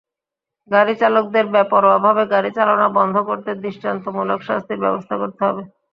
গাড়িচালকদের বেপরোয়াভাবে গাড়ি চালনা বন্ধ করতে দৃষ্টান্তমূলক শাস্তির ব্যবস্থা করতে হবে।